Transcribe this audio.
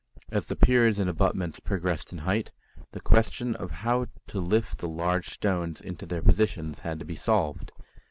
As the piers and abutments progressed in height, the question of how to lift the large stones into their positions had to be solved.